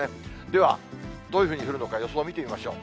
では、どういうふうに降るのか、予想を見てみましょう。